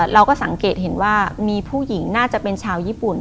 เราก็สังเกตเห็นว่ามีผู้หญิงน่าจะเป็นชาวญี่ปุ่น